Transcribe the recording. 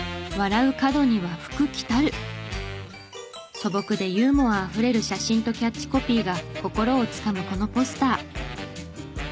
素朴でユーモアあふれる写真とキャッチコピーが心をつかむこのポスター。